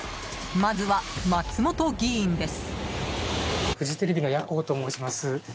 まずは松本議員です。